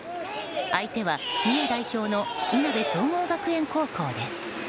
相手は三重代表のいなべ総合学園高校です。